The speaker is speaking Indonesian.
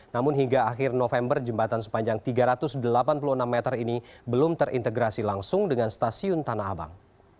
namun hingga akhir november jembatan sepanjang tiga ratus delapan puluh enam meter ini belum terintegrasi langsung dengan stasiun tanah abang